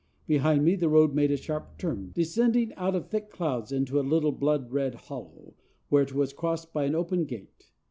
Behind me the road made a sharp turn, descending out of thick clouds into a little blood red hollow, where it was crossed by an open gate.